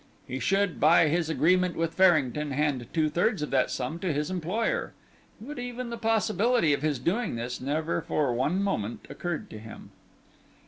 He should, by his agreement with Farrington, hand two thirds of that sum to his employer, but even the possibility of his doing this never for one moment occurred to him.